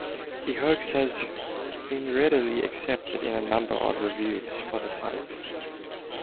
The hoax has been readily accepted in a number of reviews for the title.